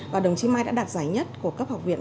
và đồng chí mai đã đạt giải nhất của cấp học viện